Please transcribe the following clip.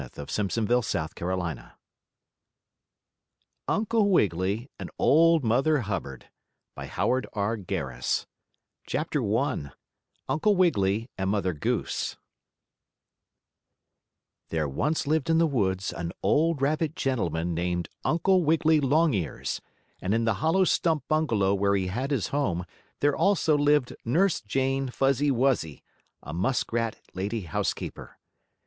Uncle Wiggily and the King Uncle Wiggily and Old Mother Hubbard CHAPTER I UNCLE WIGGILY AND MOTHER GOOSE There once lived in the woods an old rabbit gentleman named Uncle Wiggily Longears, and in the hollow stump bungalow where he had his home there also lived Nurse Jane Fuzzy Wuzzy, a muskrat lady housekeeper.